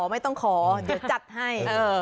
ไม่ต้องขอเดี๋ยวจัดให้